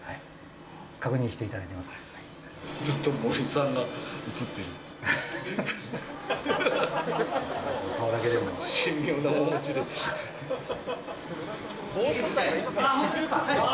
確認していただいております。